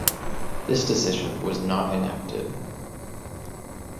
This decision was not enacted.